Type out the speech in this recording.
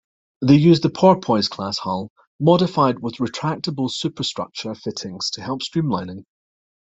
They used the "Porpoise"-class hull, modified with retractable superstructure fittings to help streamlining.